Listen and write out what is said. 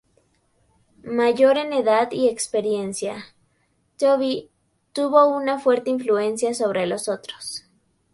Mayor en edad y experiencia, Tobey tuvo una fuerte influencia sobre los otros.